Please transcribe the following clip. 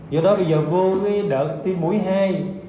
do đó bây giờ vô đợt tiêm mũi hai